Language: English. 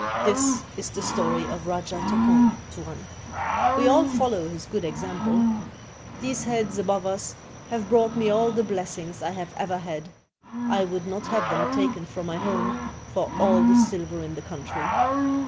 This is the story of Rajah Tokong, Tuan. We all follow his good example. These heads above us have brought me all the blessings I have ever had; I would not have them taken from my home for all the silver in the country."